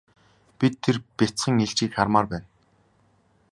Бид тэр бяцхан илжгийг хармаар байна.